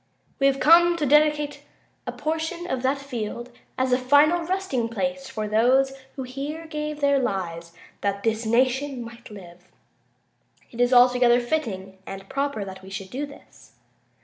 We have come to dedicate a portion of that field as a final resting place for those who here gave their lives that this nation might live. It is altogether fitting and proper that we should do this.